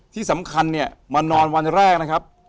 ที่สำคัญเนี่ยมานอนวันแรกนะครับ